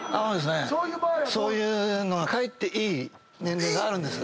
そういうのはかえっていい年齢があるんです。